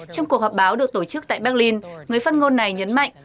trong cuộc họp báo được tổ chức tại berlin người phát ngôn này nhấn mạnh